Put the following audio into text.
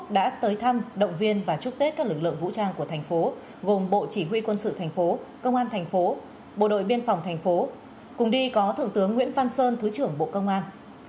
nguyễn xuân phúc đã tới thăm động viên và chúc tết các lực lượng vũ trang của thành phố gồm bộ chỉ huy quân sự tp công an tp bộ đội biên phòng tp cùng đi có thủ tướng nguyễn văn sơn thứ trưởng bộ công an